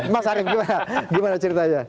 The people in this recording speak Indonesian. mas arief gimana ceritanya